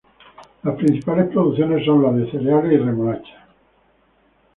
Las principales producciones son las de cereales y remolacha.